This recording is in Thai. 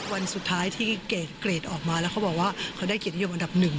วันสุดท้ายที่เกรดเกรดออกมาแล้วเขาบอกว่าเขาได้เกียรตินิยมอันดับหนึ่ง